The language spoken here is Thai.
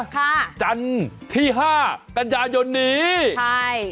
ค่ะจันที่๕ปัญญาณยนต์นี้ใช่